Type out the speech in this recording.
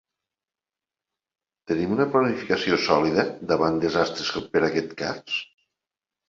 Tenim una planificació sòlida davant desastres per a aquest cas?